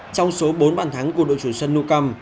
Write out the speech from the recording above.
trong số bốn bàn thắng của đội chủ sân nuocam